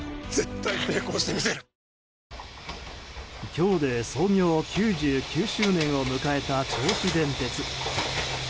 今日で創業９９周年を迎えた銚子電鉄。